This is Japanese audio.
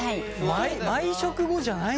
毎食後じゃないんだ。